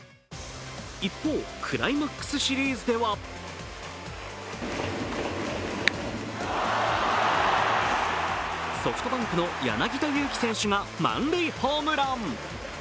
一方、クライマックスシリーズではソフトバンクの柳田悠岐選手が満塁ホームラン。